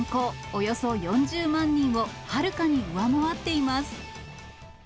およそ４０万人をはるかに上回っています。